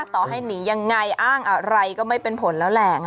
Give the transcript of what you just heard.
ต่อให้หนียังไงอ้างอะไรก็ไม่เป็นผลแล้วแหละ